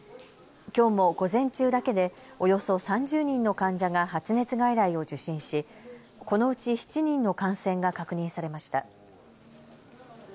きょうも午前中だけでおよそ３０人の患者が発熱外来を受診し、このうち７人の感染が確認されました。